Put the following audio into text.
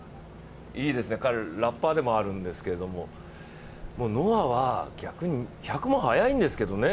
いいですね、彼、ラッパーでもあるんですけどもノアは逆に１００も速いんですけどね